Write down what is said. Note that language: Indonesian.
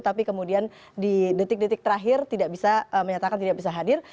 tapi kemudian di detik detik terakhir tidak bisa menyatakan tidak bisa hadir